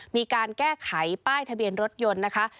มีการแก้ไขป้ายทะเบียนรถยนต์นะคะ